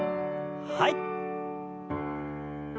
はい。